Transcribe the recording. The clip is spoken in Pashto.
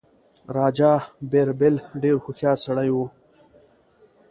راجا بیربل ډېر هوښیار سړی وو.